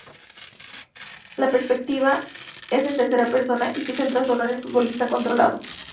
La perspectiva es en tercera persona, y se centra sólo en el futbolista controlado.